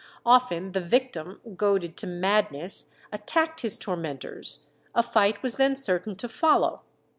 Often the victim, goaded to madness, attacked his tormentors; a fight was then certain to follow.